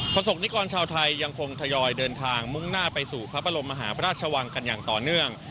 สกนิกรชาวไทยยังคงทยอยเดินทางมุ่งหน้าไปสู่พระบรมมหาพระราชวังกันอย่างต่อเนื่อง